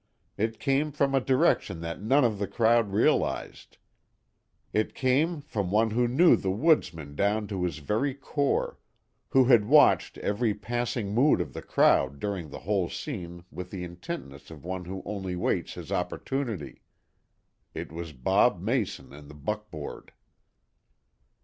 It came from a direction that none of the crowd realized. It came from one who knew the woodsman down to his very core, who had watched every passing mood of the crowd during the whole scene with the intentness of one who only waits his opportunity. It was Bob Mason in the buckboard.